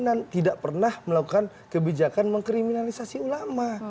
dan tidak pernah melakukan kebijakan mengkriminalisasi ulama